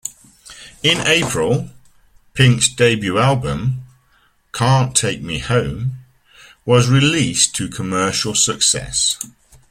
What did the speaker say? In April, Pink's debut album, "Can't Take Me Home", was released to commercial success.